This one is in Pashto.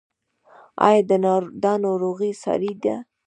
ایا دا ناروغي ساري ده؟